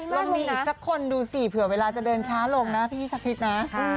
ลองมีอีกทั้งคนดูสิเผื่อเวลาจะเดินช้าลงนะ